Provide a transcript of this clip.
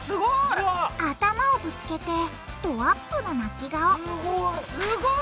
頭をぶつけてドアップの泣き顔すごい！